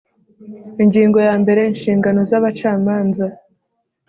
ingingo ya mbere inshingano za bacamanza